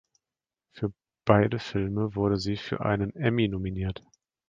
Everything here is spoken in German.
Für beide Filme wurde sie für einen Emmy nominiert.